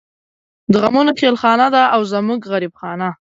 د غمونو خېلخانه ده او زمونږ غريب خانه